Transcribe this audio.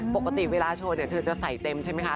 ปกติเวลาโชว์เธอจะใส่เต็มใช่ไหมคะ